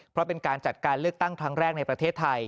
เพราะเป็นการจัดการเลือกตั้งครั้งแรกในประเทศไทย